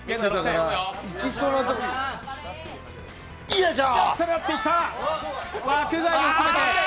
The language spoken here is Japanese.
よいしょ。